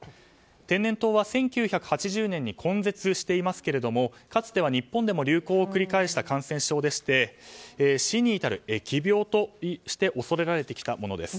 天然痘は１９８０年に根絶していますがかつては日本でも流行を繰り返した感染症でして死に至る疫病として恐れられてきたものです。